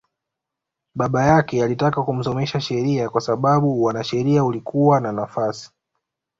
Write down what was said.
Baba yake alitaka kumsomesha sheria kwa sababu uanasheria ulikuwa na nafasi